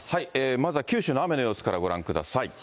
まずは九州の雨の様子からご覧ください。